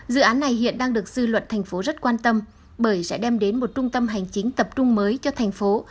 dự án này hiện đang được sư luận thành phố rất quan tâm bởi sẽ đem đến một trung tâm hành chính tập trung mới cho thành phố